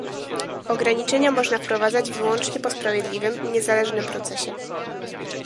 Ograniczenia można wprowadzać wyłącznie po sprawiedliwym i niezależnym procesie